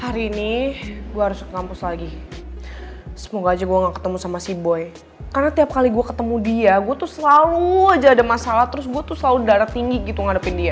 hari ini gue harus kampus lagi semoga aja gue gak ketemu sama si boy karena tiap kali gue ketemu dia gue tuh selalu aja ada masalah terus gue tuh selalu darah tinggi gitu ngadepin dia